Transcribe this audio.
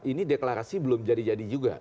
ini deklarasi belum jadi jadi juga